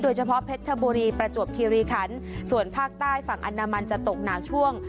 เฉพาะเพชรชบุรีประจวบคิริขันส่วนภาคใต้ฝั่งอนามันจะตกหนักช่วง